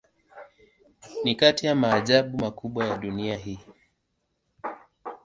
Ni kati ya maajabu makubwa ya dunia hii.